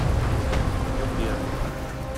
Юк диярлек.